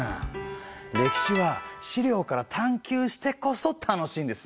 歴史は資料から探究してこそ楽しいんです。